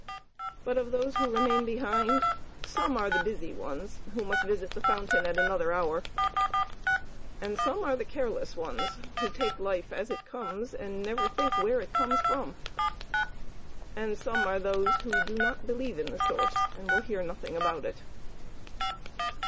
But of those who remain behind, some are the busy ones who must visit the fountain at another hour; and some are the careless ones who take life as it comes and never think where it comes from; and some are those who do not believe in the Source and will hear nothing about it."